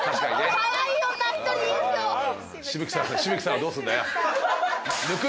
紫吹さん紫吹さんはどうすんだよ。